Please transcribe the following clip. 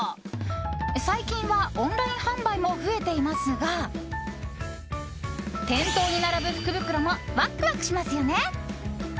最近はオンライン販売も増えていますが店頭に並ぶ福袋もワクワクしますよね。